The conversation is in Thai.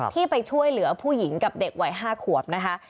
ที่ไปช่วยเหลือผู้หญิงกับเด็กวัย๕ขวบนะคะ